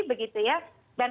begitu ya dan